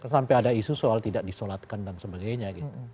sampai ada isu soal tidak disolatkan dan sebagainya